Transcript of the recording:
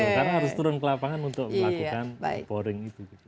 karena harus turun ke lapangan untuk melakukan boring itu